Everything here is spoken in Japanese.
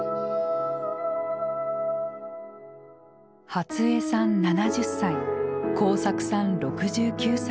初江さん７０歳耕作さん６９歳。